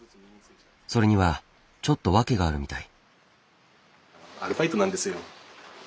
それにはちょっと訳があるみたい。